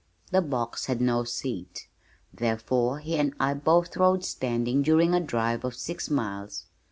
The box had no seat, therefore he and I both rode standing during a drive of six miles.